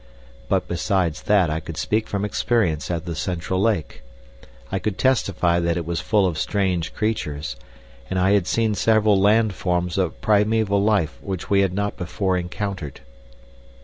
But besides that I could speak from experience of the central lake. I could testify that it was full of strange creatures, and I had seen several land forms of primeval life which we had not before encountered.